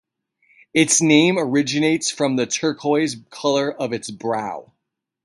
Its name originates from the turquoise color of its brow.